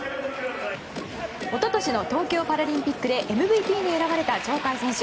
一昨日の東京パラリンピックでＭＶＰに選ばれた鳥海選手。